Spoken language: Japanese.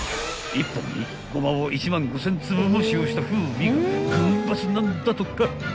［１本にゴマを１万５，０００粒も使用した風味がグンバツなんだとか］